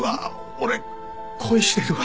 俺恋してるわ」